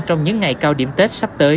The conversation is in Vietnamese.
trong những ngày cao điểm tết sắp tới